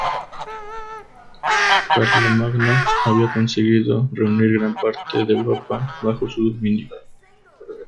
Carlomagno había conseguido reunir gran parte de Europa bajo su dominio.